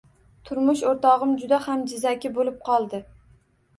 Turmush o`rtog`im juda ham jizzaki bo`lib qoldi